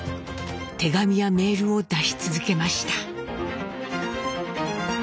手紙やメールを出し続けました。